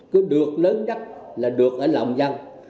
cứ được lớn nhất là được ở lòng dân